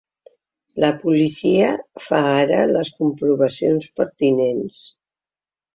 La policia fa ara les comprovacions pertinents.